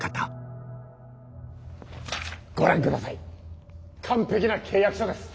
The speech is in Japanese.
ご覧下さい完璧な契約書です！